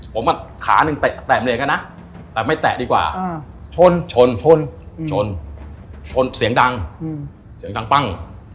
ผมอ่ะขานึงแตะมันเลยอ่ะนะแต่ไม่แตะดีกว่าชนชนชนชนเสียงดังเสียงดังปั้ง